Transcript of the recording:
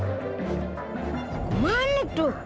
mau ke mana tuh